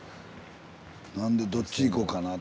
なんでどっち行こうかなと。